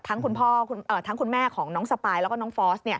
ทั้งคุณแม่ของน้องสปายแล้วก็น้องฟอส